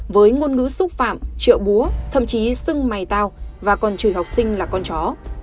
với ngôn ngữ xúc phạm trợ búa thậm chí xưng mẩy tao và còn chửi học sinh là con chó